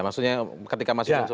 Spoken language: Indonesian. maksudnya ketika masih unsur bps